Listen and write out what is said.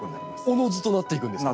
おのずとなっていくんですか？